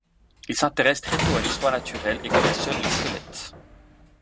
Il s'intéresse très tôt à l'histoire naturelle et collectionne les squelettes.